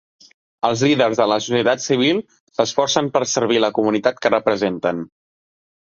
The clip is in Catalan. Els líders de la societat civil s'esforcen per servir la comunitat que representen.